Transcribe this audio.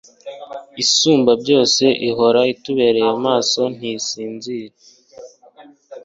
isumbabyose ihora itubereye maso ntisinzira